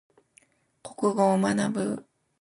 国語を学ぶ。